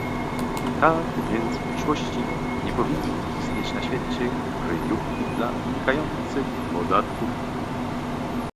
Tak więc, w przyszłości nie powinny istnieć na świecie kryjówki dla unikających podatków